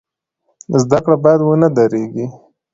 زده کړه باید ونه دریږي.